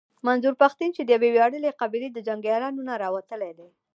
منظور پښتين چې د يوې وياړلې قبيلې د جنګياليانو نه راوتلی دی.